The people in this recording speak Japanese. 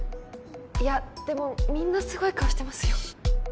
いやでもみんなすごい顔してますよ